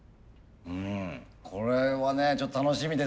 うんこれはねちょっと楽しみです。